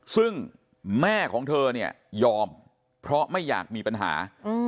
ซึ่งแม่ของเธอเนี่ยยอมเพราะไม่อยากมีปัญหา